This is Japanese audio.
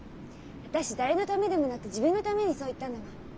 私誰のためでもなく自分のためにそう言ったんだもん。